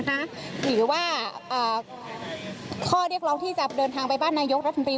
หรือว่าข้อเรียกร้องที่จะเดินทางไปบ้านนายกรัฐมนตรี